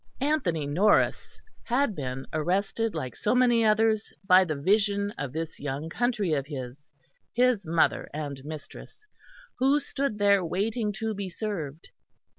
Anthony Norris had been arrested, like so many others, by the vision of this young country of his, his mother and mistress, who stood there, waiting to be served.